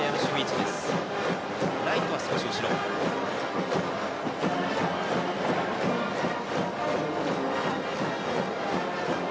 ライトは少し後ろの守備。